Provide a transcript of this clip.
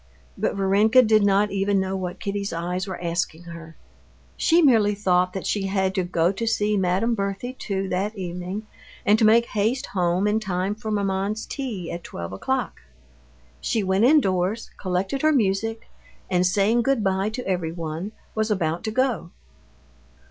But Varenka did not even know what Kitty's eyes were asking her. She merely thought that she had to go to see Madame Berthe too that evening, and to make haste home in time for maman's tea at twelve o'clock. She went indoors, collected her music, and saying good bye to everyone, was about to go.